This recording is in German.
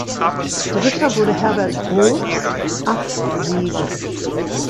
Dritter wurde Herbert Hoops (acht Siege).